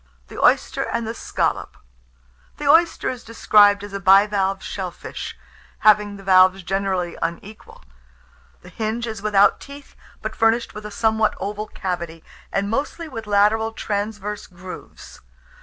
THE OYSTER AND THE SCALLOP. The oyster is described as a bivalve shell fish, having the valves generally unequal. The hinge is without teeth, but furnished with a somewhat oval cavity, and mostly with lateral transverse grooves.